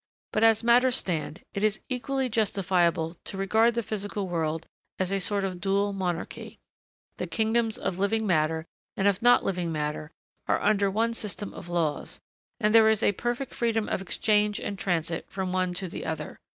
But, as matters stand, it is equally justifiable to regard the physical world as a sort of dual monarchy. The kingdoms of living matter and of not living matter are under one system of laws, and there is a perfect freedom of exchange and transit from one to the other.